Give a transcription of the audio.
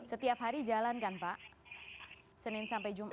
setiap hari jalan kan pak senin sampai jumat